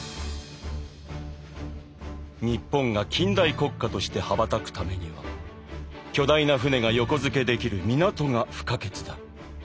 「日本が近代国家として羽ばたくためには巨大な船が横付けできる港が不可欠だ。